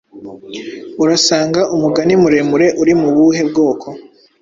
urasanga umugani muremure uri mu buhe bwoko